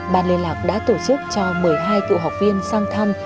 ban liên lạc đã tổ chức cho một mươi hai cựu học viên sang thăm